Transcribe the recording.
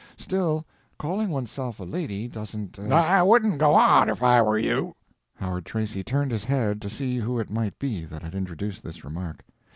Still—calling one's self a lady doesn't—er—" "I wouldn't go on if I were you." Howard Tracy turned his head to see who it might be that had introduced this remark.